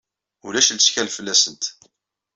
Ulac lettkal fell-asent.